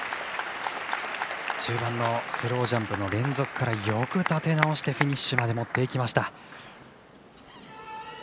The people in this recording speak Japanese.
中盤のスロージャンプの連続からよく立て直してフィニッシュまで持っていきました。